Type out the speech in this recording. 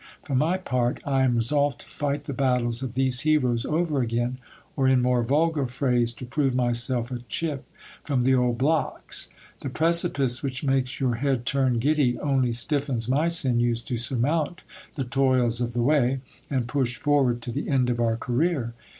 For my part, I am resolved to fight the battles of these heroes over again, or, in more vulgar phrase, to prove myself a chip from the old blocks. The precipice which makes your head turn giddy only stiffens my sinews to surmount the toils of the way, and push forward to the end of our career.